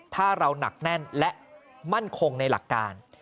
ถ้าเราหนักแน่นและมั่นคงในหลักการ